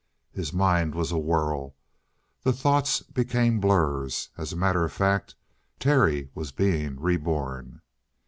His mind was a whirl; the thoughts became blurs. As a matter of fact, Terry was being reborn.